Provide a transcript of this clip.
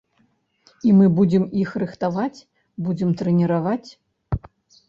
І мы будзем іх рыхтаваць, будзем трэніраваць.